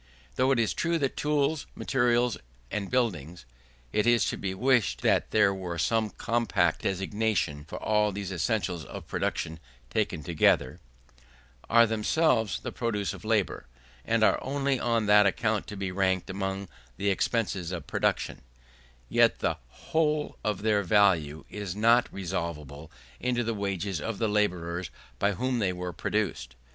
Though it is true that tools, materials, and buildings (it is to be wished that there were some compact designation for all these essentials of production taken together,) are themselves the produce of labour, and are only on that account to be ranked among the expenses of production; yet the whole of their value is not resolvable into the wages of the labourers by whom they were produced.